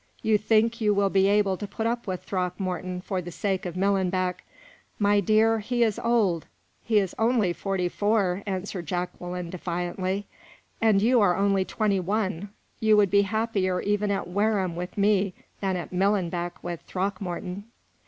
You think you will be able to put up with Throckmorton for the sake of Millenbeck. My dear, he is old " "He is only forty four," answered Jacqueline, defiantly. "And you are only twenty one. You would be happier even at Wareham with me, than at Millenbeck with Throckmorton."